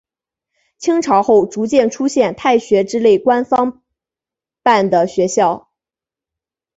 清朝后逐渐出现太学之类官方办的学校。